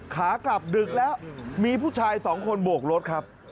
ขากลับดึกแล้วมีผู้ชายสองคนโบกรถครับ